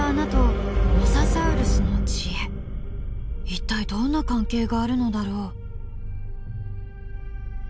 一体どんな関係があるのだろう。